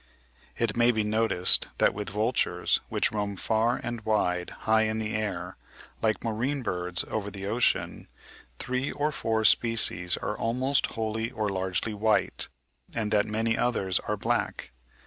(54. It may be noticed that with vultures, which roam far and wide high in the air, like marine birds over the ocean, three or four species are almost wholly or largely white, and that many others are black.